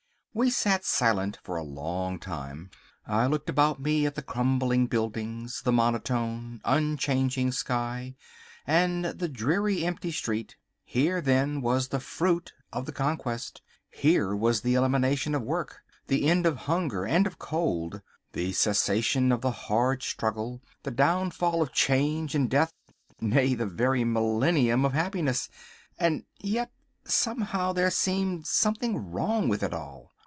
We sat silent for a long time. I looked about me at the crumbling buildings, the monotone, unchanging sky, and the dreary, empty street. Here, then, was the fruit of the Conquest, here was the elimination of work, the end of hunger and of cold, the cessation of the hard struggle, the downfall of change and death—nay, the very millennium of happiness. And yet, somehow, there seemed something wrong with it all.